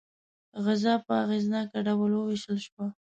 غذا په اغېزناک ډول وویشل شوه.